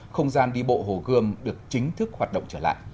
không gian đi bộ hồ gươm được chính thức hoạt động trở lại